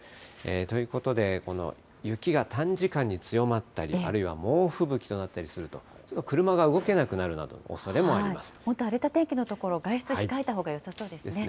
ということで、この雪が短時間に強まったり、あるいは猛吹雪になったりすると、車が動けなくなるなどのおそれも荒れた天気の所、外出控えたですね。